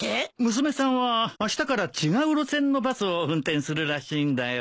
娘さんはあしたから違う路線のバスを運転するらしいんだよ。